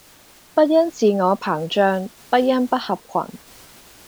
不因自我膨漲，不因不合群